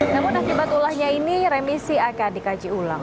namun akibat ulahnya ini remisi akan dikaji ulang